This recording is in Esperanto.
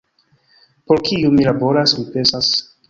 Por kiu mi laboras, mi penas?